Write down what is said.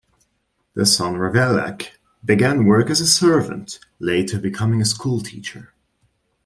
The son Ravaillac began work as a servant, later becoming a school teacher.